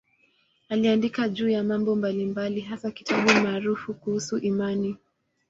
Aliandika juu ya mambo mbalimbali, hasa kitabu maarufu kuhusu imani.